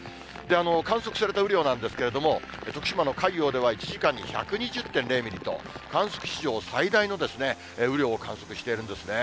観測された雨量なんですけれども、徳島の海陽では１時間に１２０．０ミリと、観測史上最大の雨量を観測しているんですね。